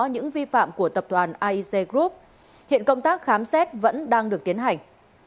những vi phạm của tập đoàn aic group hiện công tác khám xét vẫn đang được tiến hành